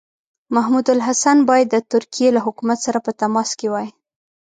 محمودالحسن باید د ترکیې له حکومت سره په تماس کې وای.